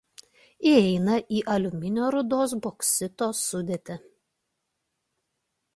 Įeina į aliuminio rūdos boksito sudėtį.